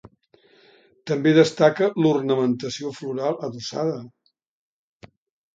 També destaca l'ornamentació floral adossada.